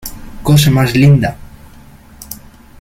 ¡ cosa más linda!